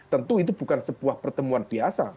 tentu itu bukan sebuah pertemuan biasa